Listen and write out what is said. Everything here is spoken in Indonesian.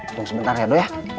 untung sebentar ya do ya